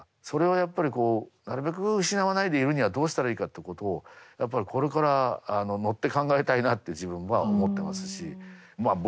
それはやっぱりなるべく失わないでいるにはどうしたらいいかってことをやっぱりこれから乗って考えたいなって自分は思ってますしま